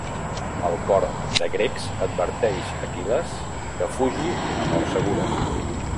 El cor de grecs adverteix Aquil·les que fugi d’una mort segura.